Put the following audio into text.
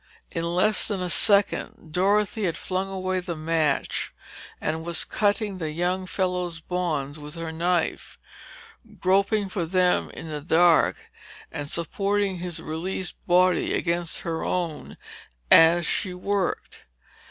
In less than a second Dorothy had flung away the match and was cutting the young fellow's bonds with her knife, groping for them in the dark and supporting his released body against her own as she worked.